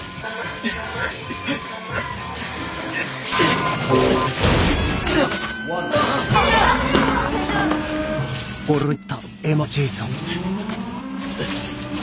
えっ？